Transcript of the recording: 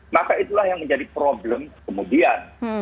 maka itulah yang menjadi problem kemudian